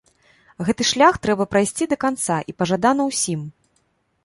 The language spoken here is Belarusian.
Гэты шлях трэба прайсці да канца і пажадана ўсім.